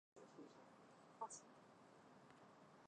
大城堡是马来西亚吉隆坡首都南部的一个市镇。